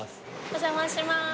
お邪魔します。